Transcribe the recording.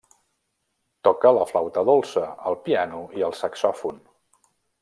Toca la flauta dolça, el piano i el saxòfon.